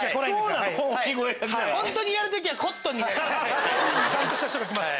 そうなの⁉ちゃんとした人が来ます。